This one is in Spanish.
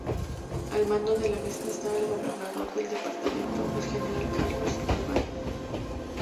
Al mando de la misma estaba el gobernador del departamento, el general Carlos Albán.